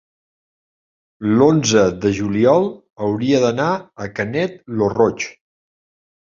L'onze de juliol hauria d'anar a Canet lo Roig.